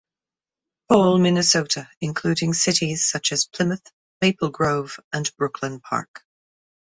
Paul, Minnesota, including cities such as Plymouth, Maple Grove, and Brooklyn Park.